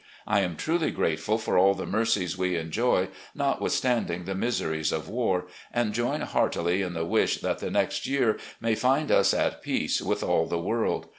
I am truly grateful for all the mercies we enjoy, notwithstanding the miseries of war, and join heartily in the wish that the next year may find us at peace with all the world.